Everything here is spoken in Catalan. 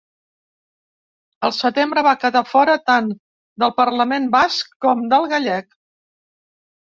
Al setembre, va quedar fora tant del parlament basc com del gallec.